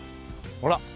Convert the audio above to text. ほら！